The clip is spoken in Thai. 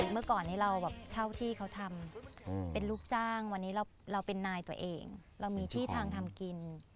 เมื่อก่อนนี้เราแบบเช่าที่เขาทำเป็นลูกจ้างวันนี้เราเป็นนายตัวเองเรามีที่ทางทำกิน